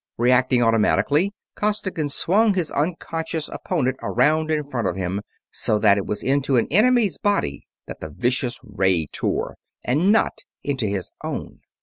Reacting automatically, Costigan swung his unconscious opponent around in front of him, so that it was into an enemy's body that the vicious ray tore, and not into his own.